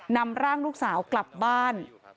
นำร่างลูกสาวกลับบ้าน